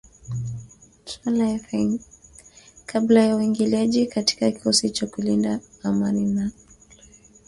Kabla ya uingiliaji kati wa kikosi cha kulinda amani cha ulaya.